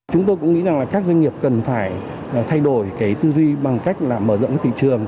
chúng tôi cũng nghĩ rằng các doanh nghiệp cần phải thay đổi tư duy bằng cách mở rộng thị trường